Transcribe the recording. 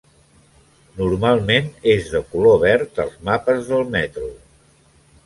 Normalment és de color verd als mapes del metro.